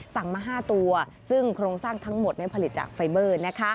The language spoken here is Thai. สั่งมา๕ตัวซึ่งโครงสร้างทั้งหมดผลิตจากไฟเบอร์